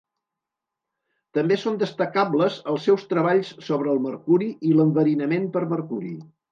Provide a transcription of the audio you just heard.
També són destacables els seus treballs sobre el mercuri i l'enverinament per mercuri.